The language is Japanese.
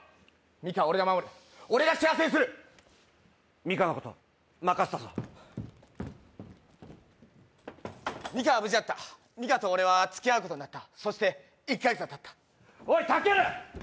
ミカは俺が守る俺が幸せにするミカのこと任せたぞミカは無事だったミカと俺はつきあうことになったそして１カ月がたったおいタケル